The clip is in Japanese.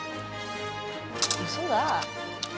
うそだ。